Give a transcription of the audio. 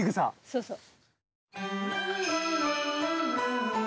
そうそう。